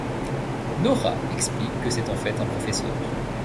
Nora explique que c’est en fait un professeur.